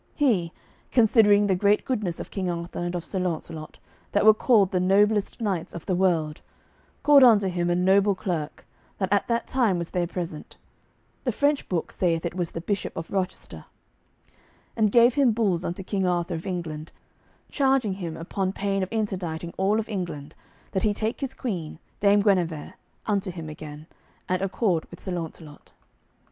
He, considering the great goodness of King Arthur and of Sir Launcelot, that were called the noblest knights of the world, called unto him a noble clerk, that at that time was there present, the French book saith it was the Bishop of Rochester, and gave him bulls unto King Arthur of England, charging him upon pain of interdicting of all England, that he take his queen, Dame Guenever, unto him again, and accord with Sir Launcelot.